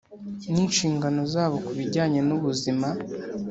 n inshingano zabo ku bijyanye n ubuzima